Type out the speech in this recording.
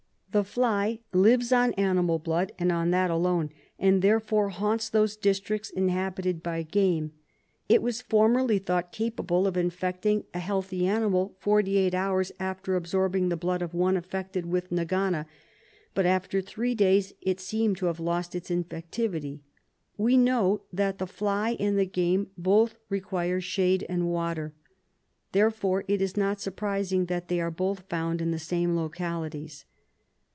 The fly lives on animal blood and on that alone, and therefore haunts those districts inhabited by game ; it was formerly thought capable of infecting a healthy animal forty eight hours after absorbing the blood of one aifected with nagana, but after three days it seemed to have lost its infectivity. We know that the fly and the game both require shade and water, therefore it is not surprising that they are both found in the same localities.